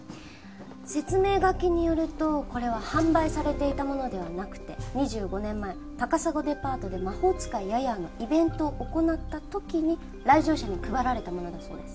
説明書きによるとこれは販売されていたものではなくて２５年前高砂デパートで『魔法使いヤヤー』のイベントを行った時に来場者に配られたものだそうです。